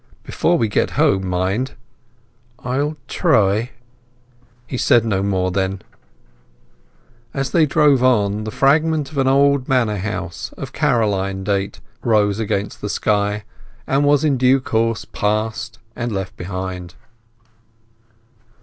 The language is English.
"Before we get home, mind." "I'll try." He said no more then. As they drove on, the fragment of an old manor house of Caroline date rose against the sky, and was in due course passed and left behind.